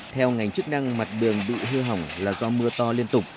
theo ngành chức năng mặt đường bị hư hỏng là do mưa to liên tục